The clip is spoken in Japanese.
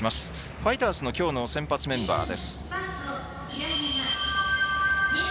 ファイターズのきょうの先発メンバーです。